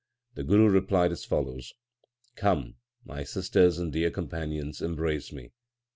The Guru replied as follows : Come, my sisters and dear companions, embrace me.